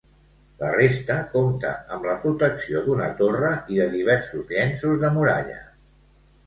La resta compta amb la protecció d'una torre i de diversos llenços de muralla.